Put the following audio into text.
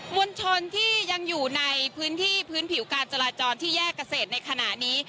มวลชนที่ยังอยู่ในพื้นที่พื้นผิวการจราจรที่แยกเกษตรในขณะนี้